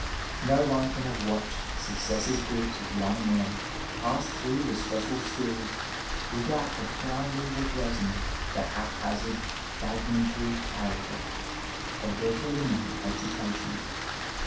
No one can have watched suecesaiye groups of young men pass throu^^ the special schools without profoundly regretting the haphasaid, fragmentary character of their preliminary education.